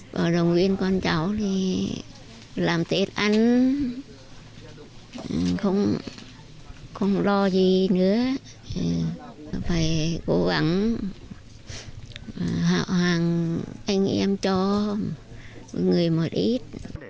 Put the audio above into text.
bỏ đồng viên con trâu đi làm tết ăn không lo gì nữa phải cố gắng họ hàng anh em cho người một ít